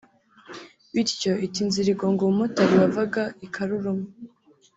bityo ita inzira igonga umumotari wavaga i Karuruma